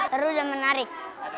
seru dan menarik